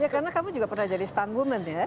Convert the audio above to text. ya karena kamu juga pernah jadi stangguman ya